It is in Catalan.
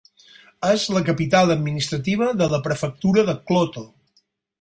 És la capital administrativa de la prefectura de Kloto.